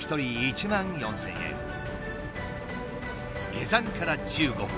下山から１５分。